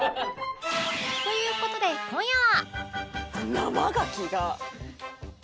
という事で今夜は